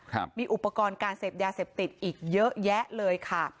ครับมีอุปกรณ์การเสพยาเสพติดอีกเยอะแยะเลยค่ะ